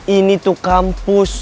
ini tuh kampus